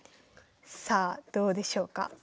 さあどうでしょうか？